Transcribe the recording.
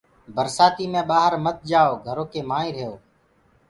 برسآتي مينٚ ڀآهر مت جآيو گھرو ڪي مآئينٚ رهيو۔